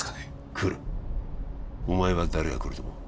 来るお前は誰が来ると思う？